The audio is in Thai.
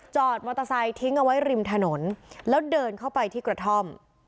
มอเตอร์ไซค์ทิ้งเอาไว้ริมถนนแล้วเดินเข้าไปที่กระท่อม